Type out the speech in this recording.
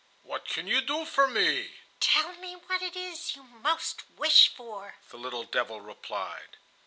"What can you do for me?" "Tell me what it is you most wish for," the little devil replied.